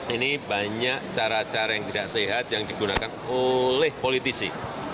ini banyak cara cara yang tidak sehat yang digunakan oleh politisi